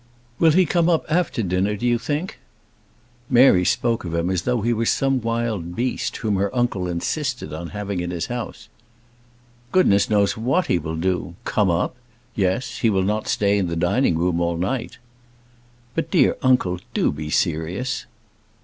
"Will he come up after dinner, do you think?" Mary spoke of him as though he were some wild beast, whom her uncle insisted on having in his house. "Goodness knows what he will do! Come up? Yes. He will not stay in the dining room all night." "But, dear uncle, do be serious."